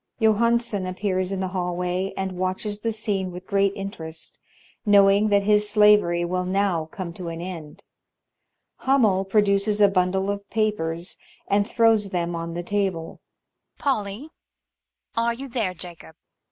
Johansson appears in the haUvxiy and watches the m scene with great interest, knotoing that his slavery will now come to an end. Hummel produces a bundle of papers and throws them on the table. MuMMT. [Stroking the h<ick of Hummel] Polly ! Are you there, Jacob